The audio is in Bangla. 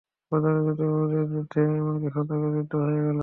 বদরের যুদ্ধ, উহুদের যুদ্ধ এমনকি খন্দকের যুদ্ধও হয়ে গেল।